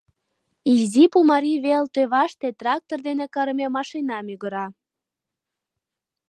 Изи Пумарий вел тӧваште трактор дене кырыме машина мӱгыра.